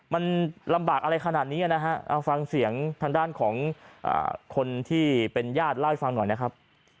มันลำบากอะไรขนาดนี้นะฮะเอาฟังเสียงทางด้านของคนที่เป็นญาติเล่าให้ฟังหน่อยนะครับ